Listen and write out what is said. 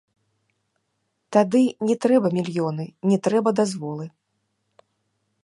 Тады не трэба мільёны, не трэба дазволы.